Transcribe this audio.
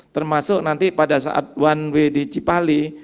termasuk nanti pada saat one way di cipali